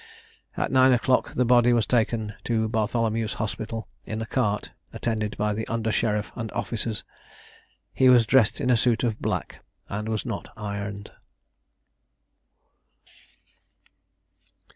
At nine o'clock the body was taken to Bartholemew's Hospital in a cart, attended by the under sheriff and officers. He was dressed in a suit of black, and was not ironed.